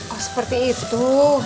oh seperti itu